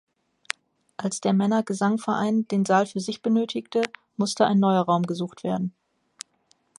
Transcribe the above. Als der Männergesangverein den Saal für sich benötigte, musste ein neuer Raum gesucht werden.